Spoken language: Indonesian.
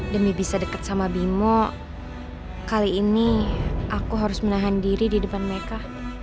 demi bisa dekat sama bimo kali ini aku harus menahan diri di depan mereka